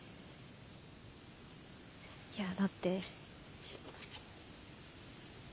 いやだって。